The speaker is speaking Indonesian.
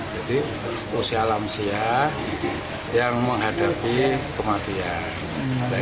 jadi usia alam siah yang menghadapi kematian